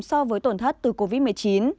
so với tổn thất từ covid một mươi chín